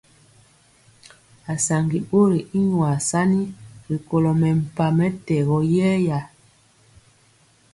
Asaŋgi bori y nyuasani ri kolo mempah mɛtɛgɔ yɛya per.